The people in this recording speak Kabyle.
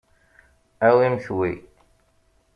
Awimt wi.